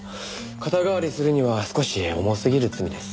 肩代わりするには少し重すぎる罪です。